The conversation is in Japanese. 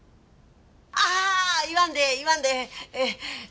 ああ言わんでええ言わんでええ。